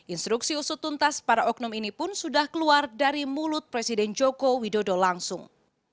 instruksi usut tuntas para oknum ini pun sudah keluar dari mulut presiden joko widodo langsung